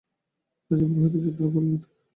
গাজিপুর হইতে যাত্রা করিলেন।